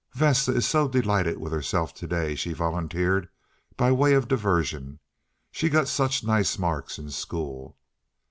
"Vesta is so delighted with herself to day," she volunteered by way of diversion. "She got such nice marks in school."